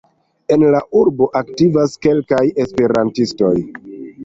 En la urbo aktivas kelkaj esperantistoj.